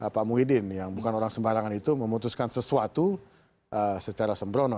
pak muhyiddin yang bukan orang sembarangan itu memutuskan sesuatu secara sembrono